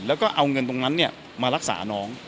แล้วก็เอาเงินตรงนั้นมารักษาน้อง